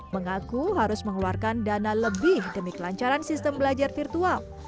mengaku harus mengeluarkan dana lebih demi kelancaran sistem belajar virtual